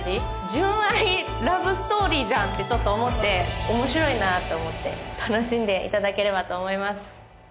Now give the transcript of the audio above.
純愛ラブストーリーじゃんってちょっと思って面白いなと思って楽しんでいただければと思います